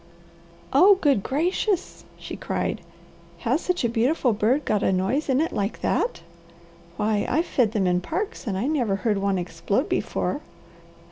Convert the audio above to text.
"Oh, good gracious!" she cried. "Has such a beautiful bird got a noise in it like that? Why I've fed them in parks and I never heard one explode before."